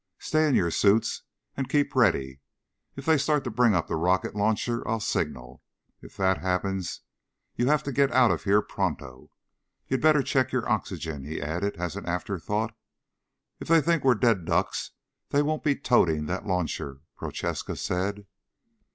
Stay in your suits and keep ready. If they start to bring up the rocket launcher I'll signal. If that happens you'll have to get out of here, pronto. You'd better check your oxygen," he added as an afterthought. "If they think we're dead ducks they won't be toting the launcher," Prochaska said.